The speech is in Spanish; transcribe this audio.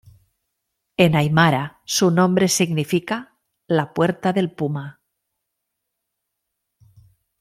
En aimara, su nombre significa, "La Puerta del Puma".